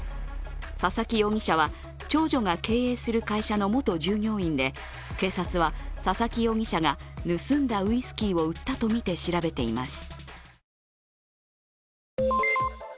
佐々木容疑者は長女が経営する会社の元従業員で警察は、佐々木容疑者が盗んだウイスキーを売ったとみて調べています。